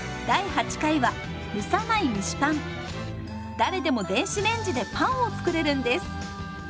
誰でも電子レンジでパンを作れるんです。